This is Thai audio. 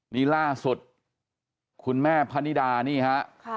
นี่ล่าสุดคุณแม่พนิดานี่ฮะ